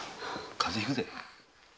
風邪ひくぜ。